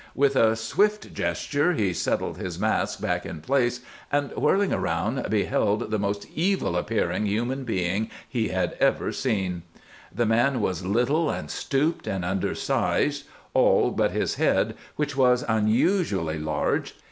With a swift gesture he settled his mask back in place and, whirling around, beheld the most evil appearing human being he had ever seen. The man was little and stooped and undersized, all but his head, which was unusually large.